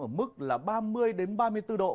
ở mức là ba mươi ba mươi bốn độ